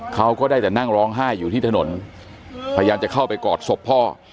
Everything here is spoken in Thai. เขาก็ได้แต่นั่งร้องไห้อยู่ที่ถนนพยายามจะเข้าไปกอดศพพ่อ